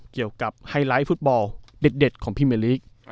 เกี่ยวกับไฮไลท์ฟุตบอลเด็ดของพี่เมริก